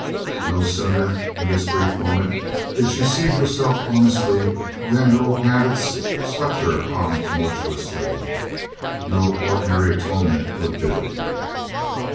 No sooner, in this brief moment, did she see herself honestly than her old habits swept her on tumultuously. No ordinary atonement would do.